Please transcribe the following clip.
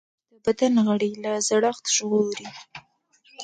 ورزش د بدن غړي له زړښت ژغوري.